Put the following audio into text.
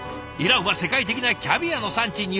イランは世界的なキャビアの産地。